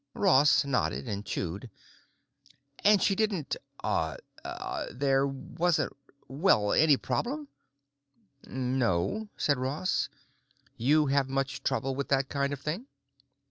Ross nodded and chewed. "And she didn't—uh—there wasn't—well—any problem?" "No," said Ross. "You have much trouble with that kind of thing?"